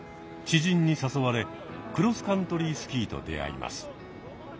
知人に誘われクロスカントリースキーと出会います。